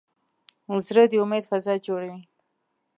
زړه د امید فضا جوړوي.